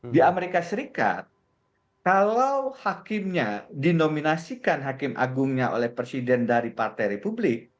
di amerika serikat kalau hakimnya dinominasikan hakim agungnya oleh presiden dari partai republik